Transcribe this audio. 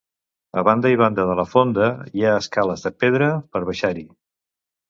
A banda i banda de la fonda hi ha escales de pedra per baixar-hi.